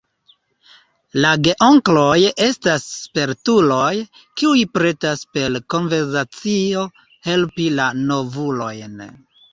La geonkloj estas spertuloj, kiuj pretas per konversacio helpi la novulojn.